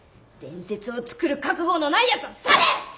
伝説を作る覚悟のないやつは去れ！